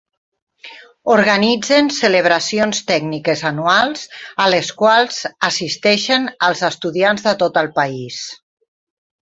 Organitzen celebracions tècniques anuals a les quals assisteixen els estudiants de tot el país.